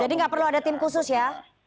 jadi gak perlu ada tim khusus ya